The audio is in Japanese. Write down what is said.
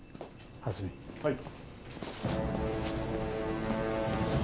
はい。